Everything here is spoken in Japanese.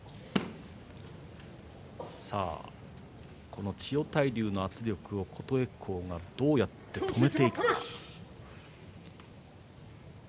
この千代大龍の圧力を琴恵光がどうやって止めていくのか。